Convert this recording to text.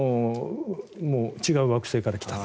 違う惑星から来た。